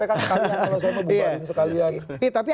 sekalian kalau saya mau buka ini sekalian